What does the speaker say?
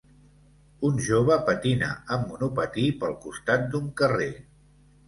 un jove patina amb monopatí pel costat d'un carrer